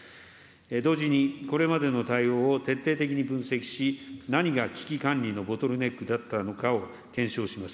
同時にこれまでの対応を徹底的に分析し、何が危機管理のボトルネックだったのかを検証します。